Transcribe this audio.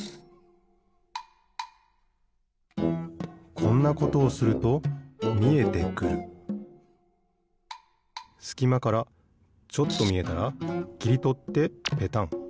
こんなことをするとみえてくるすきまからちょっとみえたらきりとってペタン。